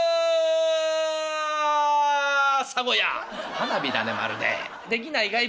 「花火だねまるで。できないかい？